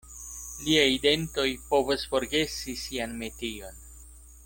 Liaj dentoj povas forgesi sian metion.